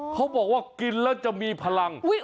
เขาบอกว่ากินแล้วจะมีพลัง